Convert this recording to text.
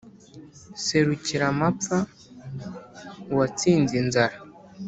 serukiramapfa: uwatsinze inzara